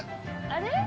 あれ？